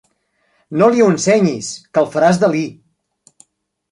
No li ho ensenyis, que el faràs delir.